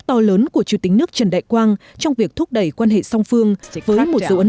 to lớn của chủ tịch nước trần đại quang trong việc thúc đẩy quan hệ song phương với một dấu ấn